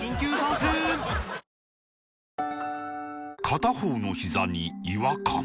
片方のひざに違和感